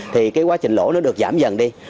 thì cái quá trình lỗ nó được giảm dần đi